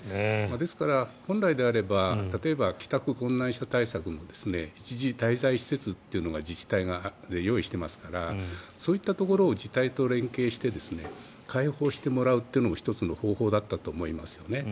ですから、本来であれば例えば、帰宅困難者対策の一時滞在施設というのが自治体が用意してますからそういったところを自治体と連携して開放してもらうというのも１つの方法だったと思いますね。